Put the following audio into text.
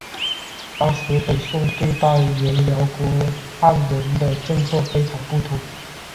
当时北宋对待原辽国汉人的政策非常不妥。